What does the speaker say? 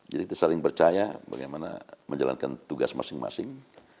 jadi kita saling percaya bagaimana menjalankan tugas masing masing